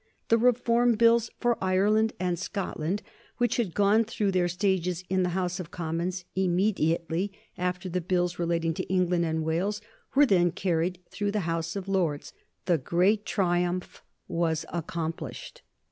The Reform Bills for Ireland and Scotland which had gone through their stages in the House of Commons immediately after the Bills relating to England and Wales were then carried through the House of Lords. The great triumph was accomplished.